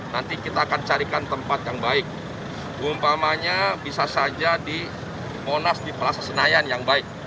nanti kita akan carikan tempat yang baik umpamanya bisa saja di monas di plaza senayan yang baik